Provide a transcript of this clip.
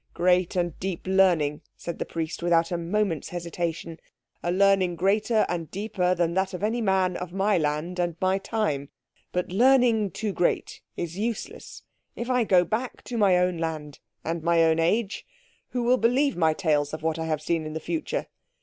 "Great and deep learning," said the Priest, without a moment's hesitation. "A learning greater and deeper than that of any man of my land and my time. But learning too great is useless. If I go back to my own land and my own age, who will believe my tales of what I have seen in the future?